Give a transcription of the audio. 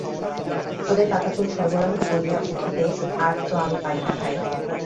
তোদের পাকাচুল সরবরাহ করিয়া উঠিতে আর তো আমি পারি না ভাই।